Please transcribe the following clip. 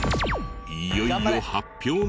いよいよ発表の時。